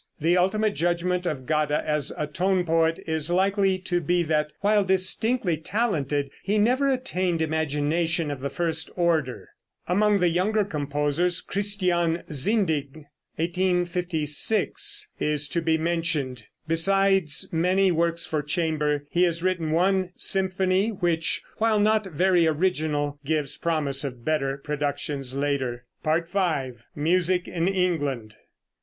The ultimate judgment of Gade as a tone poet is likely to be that while distinctly talented, he never attained imagination of the first order. Among the younger composers Christian Sinding (1856 ) is to be mentioned. Besides many works for chamber, he has written one symphony, which while not very original gives promise of better productions later. V. MUSIC IN ENGLAND.